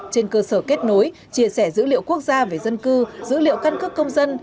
trên cơ sở kết nối chia sẻ dữ liệu quốc gia về dân cư dữ liệu căn cước công dân